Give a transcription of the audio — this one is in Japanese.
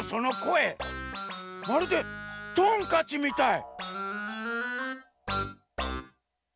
まるでトンカチみたい！